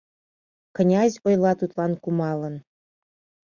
Князь ойла тудлан кумалын: